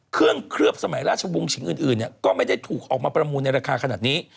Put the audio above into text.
เครื่องเคลือบสมัยราชวงศ์ฉิงอื่นก็ไม่ได้ถูกออกมาประมูลในราคาขนาดนี้